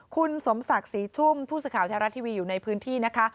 คุณสมศักดิ์ศรีชุ่มผู้สื่อข่าวแท้รัฐทีวีอยู่ในพื้นที่นะคะ